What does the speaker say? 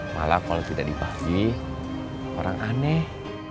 malah kalau tidak dibagi orang aneh